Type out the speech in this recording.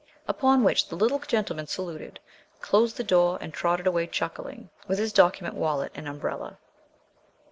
Upon which the little gentleman saluted, closed the door, and trotted away chuckling, with his document wallet and umbrella.